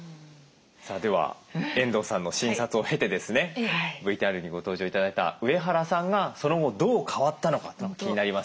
さあでは遠藤さんの診察を経てですねＶＴＲにご登場頂いた上原さんがその後どう変わったのか気になりますよね？